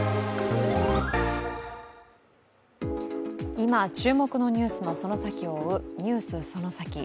今、注目のニュースのその先を追う「ＮＥＷＳそのサキ！」。